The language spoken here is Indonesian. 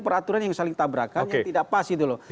peraturan yang saling tabrakan yang tidak pas itu loh